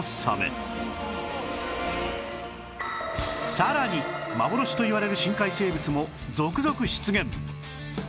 さらに幻といわれる深海生物も続々出現！